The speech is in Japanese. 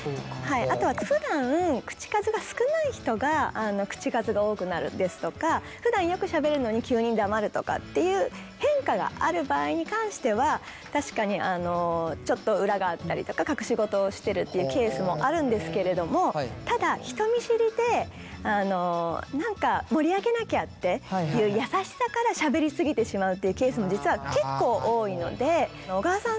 あとはふだん口数が少ない人が口数が多くなるですとかふだんよくしゃべるのに急に黙るとかっていう変化がある場合に関しては確かにちょっと裏があったりとか隠し事をしてるっていうケースもあるんですけれどもただ人見知りで何か盛り上げなきゃっていう優しさからしゃべり過ぎてしまうっていうケースも実は結構多いので小川さん